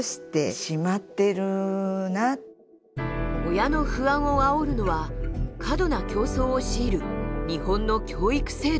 親の不安をあおるのは過度な競争を強いる日本の教育制度。